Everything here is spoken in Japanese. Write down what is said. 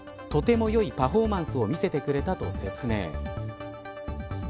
とても良いパフォーマンスを見せてくれたと説明。